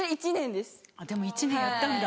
でも１年やったんだ。